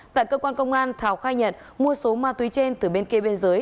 tại cơ quan công an thảo khai nhật mua số ma túy trên từ bên kia bên dưới